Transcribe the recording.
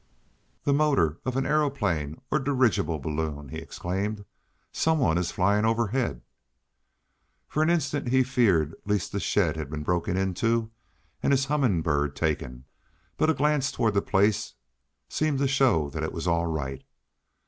"The motor of an aeroplane, or a dirigible balloon!" he exclaimed. "Some one is flying overhead!" For an instant he feared lest the shed had been broken into, and his Humming Bird taken, but a glance toward the place seemed to show that it was all right.